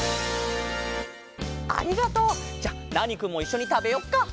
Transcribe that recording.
ありがとう！じゃあナーニくんもいっしょにたべよっか。